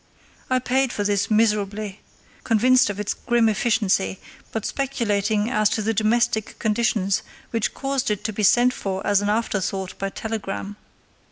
I paid for this miserably, convinced of its grim efficiency, but speculating as to the domestic conditions which caused it to be sent for as an afterthought by telegram.